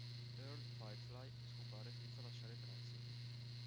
Earl Firefly scompare senza lasciare tracce.